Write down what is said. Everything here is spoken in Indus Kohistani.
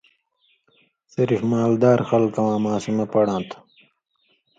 صرف مال دار خلکہ واں ماسومہ پڑاں تھو۔